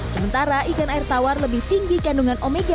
sementara ikan air tawar lebih tinggi kandungan omega